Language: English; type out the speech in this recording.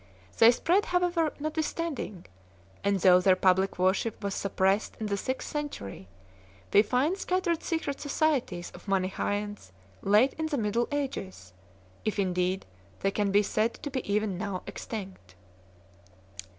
They spread how ever notwithstanding; and, though their public worship was suppressed in the sixth century, we find scattered secret societies of Manichseans late in the Middle Ages, if indeed they can be said to be even now extinct.